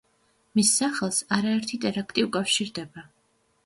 მის სახელს არაერთი ტერაქტი უკავშირდება.